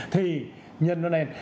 thì nhân nó lên